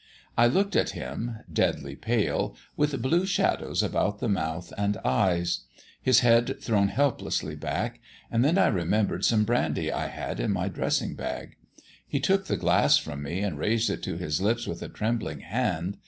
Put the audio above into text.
I looked at him, deadly pale, with blue shadows about the mouth and eyes, his head thrown helplessly back, and then I remembered some brandy I had in my dressing bag. He took the glass from me and raised it to his lips with a trembling hand.